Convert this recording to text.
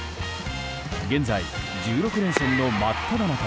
現在１６連戦の真っただ中。